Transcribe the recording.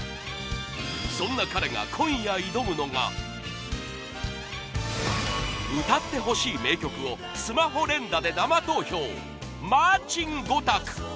そんな彼が今夜挑むのが歌ってほしい名曲をスマホ連打で生投票マーチン５択